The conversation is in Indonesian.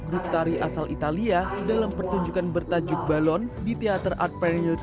grup tari asal italia dalam pertunjukan bertajuk balon di teater art panel